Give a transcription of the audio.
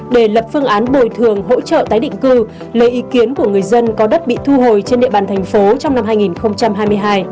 để lập phương án bồi thường hỗ trợ tái định cư lấy ý kiến của người dân có đất bị thu hồi trên địa bàn thành phố trong năm hai nghìn hai mươi hai